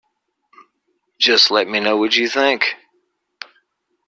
Just let me know what you think